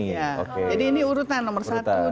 jadi ini urutan nomor satu dua tiga empat lima